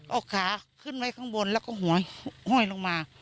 เอาขาขึ้นไว้ข้างบนแล้วก็หัวห้อยลงมา